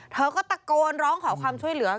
เธอก็ตะโกนร้องขอความช่วยเหลือ